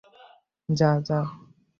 যা, যা!